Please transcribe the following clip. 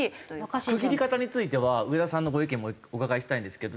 区切り方については上田さんのご意見もお伺いしたいんですけど。